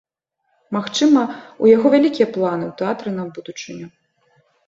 Магчыма, у яго вялікія планы ў тэатры на будучыню.